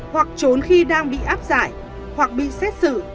hoặc trốn khi đang bị áp giải hoặc bị xét xử